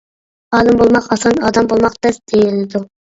«ئالىم بولماق ئاسان، ئادەم بولماق تەس» دېيىلىدۇ.